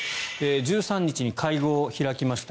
１３日に会合を開きました。